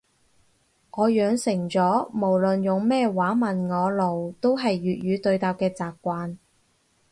我養成咗無論用咩話問我路都係粵語對答嘅習慣